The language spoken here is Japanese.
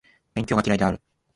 勉強が嫌いである